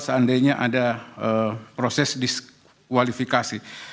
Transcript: jadi ada proses diskualifikasi